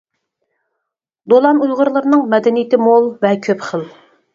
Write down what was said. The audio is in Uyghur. دولان ئۇيغۇرلىرىنىڭ مەدەنىيىتى مول ۋە كۆپ خىل.